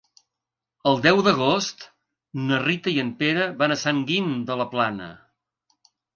El deu d'agost na Rita i en Pere van a Sant Guim de la Plana.